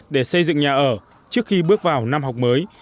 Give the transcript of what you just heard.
để xây dựng nhà ở trước khi bước vào năm học mới